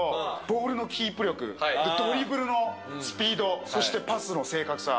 ボールのキープ力ドリブルのスピードそしてパスの正確さ。